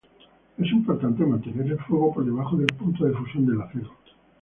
Es importante mantener el fuego por debajo del punto de fusión del acero.